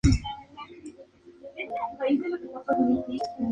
Son pájaros pequeñas y de tonos púrpura, son muy gregarias.